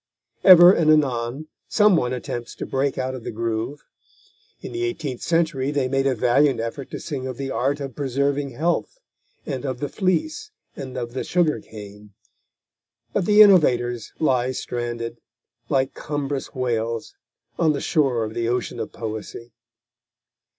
Ever and anon some one attempts to break out of the groove. In the eighteenth century they made a valiant effort to sing of The Art of Preserving Health, and of The Fleece and of The Sugar Cane, but the innovators lie stranded, like cumbrous whales, on the shore of the ocean of Poesy.